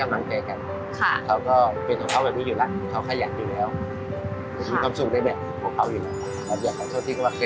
มันรู้สึกอย่างไรคะ